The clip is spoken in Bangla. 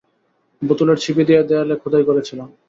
বোতলের ছিপি দিয়ে দেয়ালে খোদাই করেছিলাম।